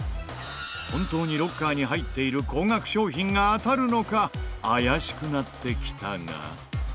本当にロッカーに入っている高額商品が当たるのか怪しくなってきたが。